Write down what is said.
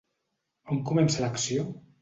On comença l'acció?